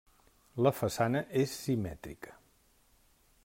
La façana és simètrica.